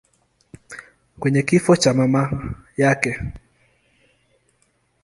kwenye kifo cha mama yake.